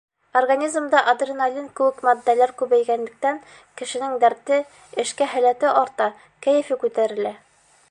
Организмда адреналин кеүек матдәләр күбәйгәнлектән, кешенең дәрте, эшкә һәләте арта, кәйефе күтәрелә.